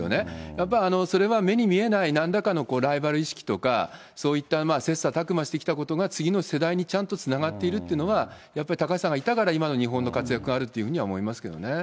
やっぱりそれは目に見えないなんらかのライバル意識とか、そういった切さたく磨してきたことが次の世代にちゃんとつながっているっていうのは、やっぱり高橋さんがいたから、今の日本の活躍があるというふうには思いますけどね。